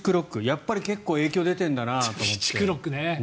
やっぱり結構影響が出てるんだなと思って。